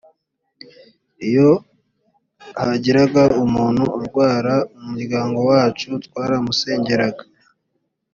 iyo hagiraga umuntu urwara mu muryango wacu twaramusengeraga